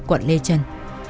quận lê trân